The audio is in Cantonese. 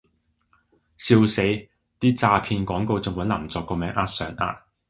笑死，啲詐騙廣告仲搵林作個名呃上呃